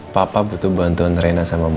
papa butuh bantuan rena sama mama